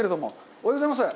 おはようございます。